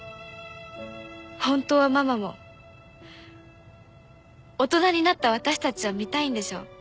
本当はママも大人になった私たちを見たいんでしょ？